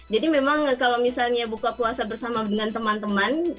jadi memang kalau misalnya buka puasa bersama dengan teman teman